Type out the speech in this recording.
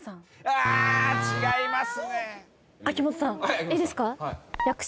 あぁ違います。